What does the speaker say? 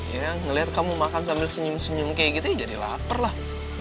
ya ngeliat kamu makan sambil senyum senyum kayak gitu ya jadi lapar lah